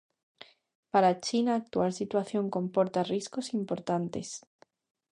Para China, a actual situación comporta riscos importantes.